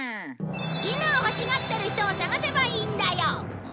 犬を欲しがってる人を探せばいいんだよ。